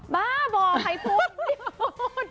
บ้าบ่ใครพูดไม่พูด